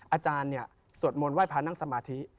อาจารย์สวดมนต์ไห้พระนั่งสมาธิ